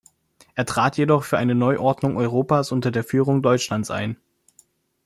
Er trat jedoch für eine Neuordnung Europas unter der Führung Deutschlands ein.